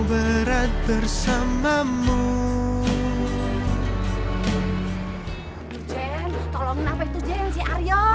jen tolongin apa itu jen si aryo